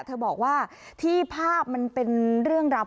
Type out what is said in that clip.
เธอบอกว่าที่ภาพมันเป็นเรื่องราว